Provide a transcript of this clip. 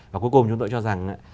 và cuối cùng chúng tôi cho rằng